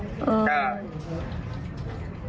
อืม